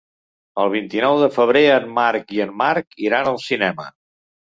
El vint-i-nou de febrer en Marc i en Marc iran al cinema.